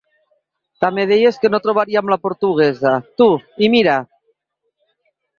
També deies que no trobaríem la portuguesa, tu, i mira!